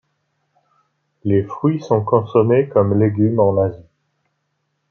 Les fruits sont consommés comme légumes en Asie.